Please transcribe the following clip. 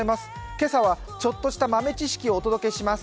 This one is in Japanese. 今朝はちょっとした豆知識をお届けします。